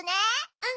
うん！